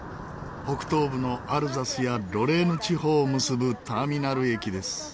北東部のアルザスやロレーヌ地方を結ぶターミナル駅です。